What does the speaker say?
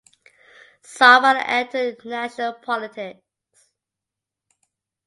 Zafar and entered national politics.